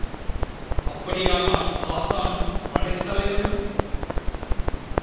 அப்படியானால் ஹாஸானும், மலைத் தலைவனும்...?